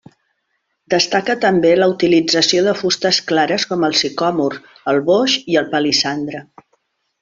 Destaca també la utilització de fustes clares com el sicòmor, el boix i el palissandre.